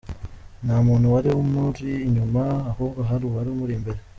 Nta muntu wari umuri inyuma ahubwo hari uwari umuri imbere.